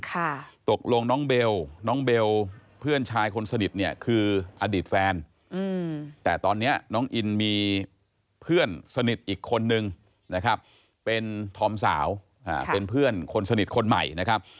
ตกลงน้องเบลน้องเบลเพื่อนชายคนสนิทเนี่ยคืออดีตแฟนอืมแต่ตอนเนี้ยน้องอินมีเพื่อนสนิทอีกคนนึงนะครับเป็นธอมสาวอ่าเป็นเพื่อนคนสนิทคนใหม่นะครับ